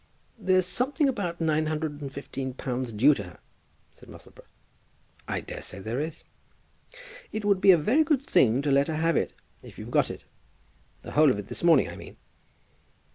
"There's something about nine hundred and fifteen pounds due to her," said Musselboro. "I daresay there is." "It would be a very good thing to let her have it if you've got it. The whole of it this morning, I mean."